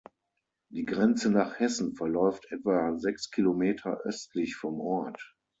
Die Grenze nach Hessen verläuft etwa sechs Kilometer östlich vom Ort.